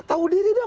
tahu diri dong